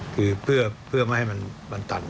คือเพื่อไม่ให้มันตัน